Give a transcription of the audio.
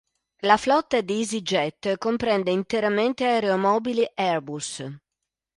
La flotta di EasyJet comprende interamente aeromobili Airbus.